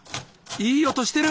いい音してる。